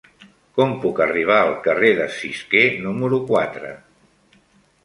Com puc arribar al carrer de Cisquer número quatre?